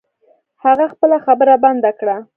هغه خپله خبره بند کړه.